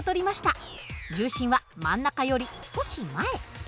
重心は真ん中より少し前。